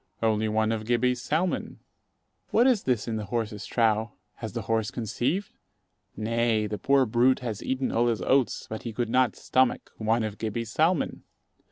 Only one of Gibbey's salmon. What is this in the horse's trough? Has the horse conceived? Nay, the poor brute has eaten all his oats, but he could not stomach one of Gibbey's salmon.